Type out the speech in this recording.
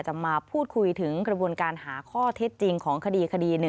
มาพูดคุยถึงกระบวนการหาข้อเท็จจริงของคดี๑